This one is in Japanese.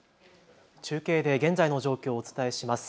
中継で現在の状況をお伝えします。